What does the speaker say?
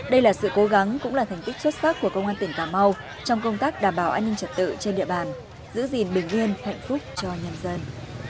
đây là sự cố gắng cũng là thành tích xuất sắc của công an tỉnh cà mau trong công tác đảm bảo an ninh trật tự trên địa bàn giữ gìn bình yên hạnh phúc cho nhân dân